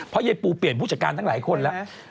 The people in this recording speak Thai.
เพราะยายปูเปลี่ยนผู้จัดการทั้งหลายคนแล้ว